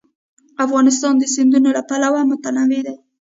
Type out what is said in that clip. افغانستان د سیندونه له پلوه متنوع دی.